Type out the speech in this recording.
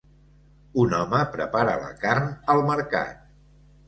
Un home prepara la carn al mercat